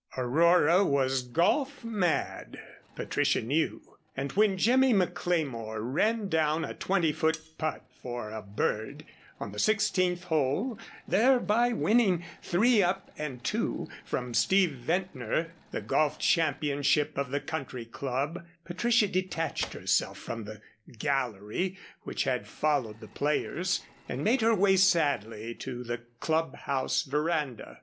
Aurora was golf mad, Patricia knew, and when Jimmy McLemore ran down a twenty foot putt for a "bird" on the sixteenth hole, thereby winning "three up and two" from Steve Ventnor, the golf championship of the Country Club, Patricia detached herself from the "gallery" which had followed the players and made her way sadly to the Club House veranda.